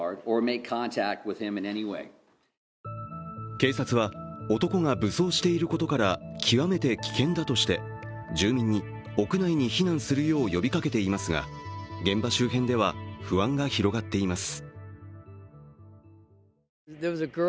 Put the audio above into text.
警察は、男が武装していることから極めて危険だとして住民に屋内に避難するよう呼びかけていますが現場周辺では不安が広がっています。